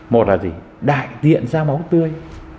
một là gì đại diện ra máu tươi